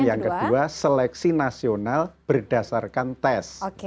yang kedua seleksi nasional berdasarkan tes